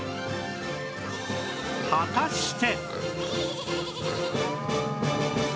果たして